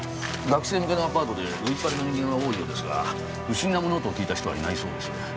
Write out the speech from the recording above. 学生向けのアパートで宵っ張りの人間は多いようですが不審な物音を聞いた人はいないそうです。